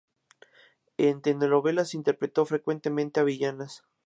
En telenovelas interpretó frecuentemente a villanas.